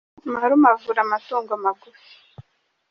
Marume avura amatungo magufi.